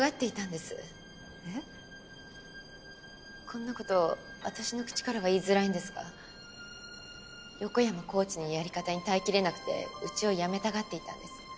こんな事私の口からは言いづらいんですが横山コーチのやり方に耐えきれなくてうちを辞めたがっていたんです。